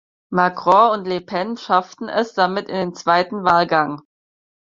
Macron und Le Pen schafften es damit in den zweiten Wahlgang.